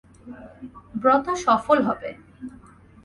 ব্রত সফল হবে।